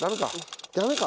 ダメか？